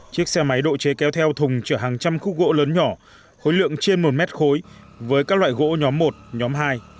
chiếc xe máy độ chế kéo theo thùng chở hàng trăm khúc gỗ lớn nhỏ khối lượng trên một mét khối với các loại gỗ nhóm một nhóm hai